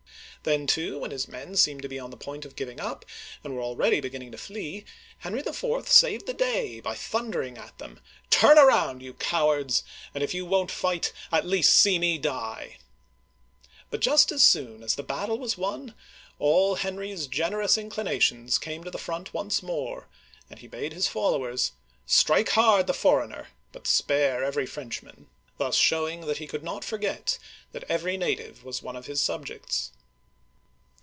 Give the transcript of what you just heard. " Then, too, when his men seemed to be on the point of giving up, and were already beginning to flee, Henry IV. saved the day by thundering at them, " Turn around, you cowards, and if you won't Digitized by VjOOQIC 284 OLD FRANCE fight, at least see me die !But just as soon as the battle was won, all Henry's generous inclinations came to the front once more, and he bade his followers, " Strike hard the foreigner, but spare every Frenchman !" thus showing Drawing by Du Semane. Henry IV. at the Battle of Ivry. that he could not forget that every native was one of his subjects.